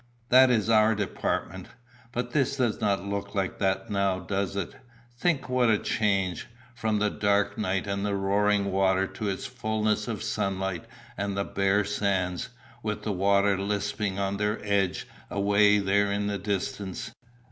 That is our department. But this does not look like that now, does it? Think what a change from the dark night and the roaring water to this fulness of sunlight and the bare sands, with the water lisping on their edge away there in the distance.